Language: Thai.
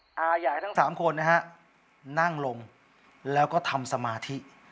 ยายทั้งสามคนนะฮะนั่งลงแล้วก็ทำสมาธิ